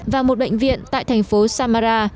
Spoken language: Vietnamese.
và một bệnh viện tại thành phố samara